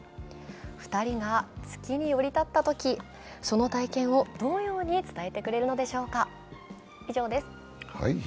２人が月に降り立ったとき、その体験をどのように伝えてくれるのでしょうか。